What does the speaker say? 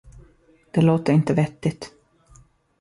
Det låter inte vettigt.